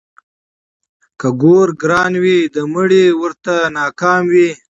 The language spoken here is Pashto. ـ که ګور ګران وي د مړي ورته نه کام وي.